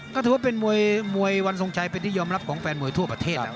ก็ถือว่าเป็นมวยมวยวันทรงชัยเป็นที่ยอมรับของแฟนมวยทั่วประเทศแล้ว